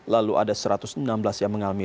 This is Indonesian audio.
lalu ada satu ratus enam belas yang mengalami